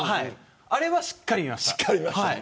あれはしっかりと見ました。